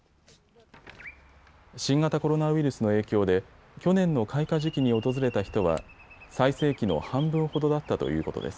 新型コロナウイルスの影響で去年の開花時期に訪れた人は最盛期の半分ほどだったということです。